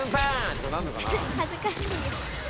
恥ずかしいよ。